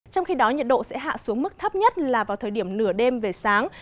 trong khi đó nhiệt độ sẽ hạ xuống mức thấp nhất là vào thời điểm nửa đêm về sáng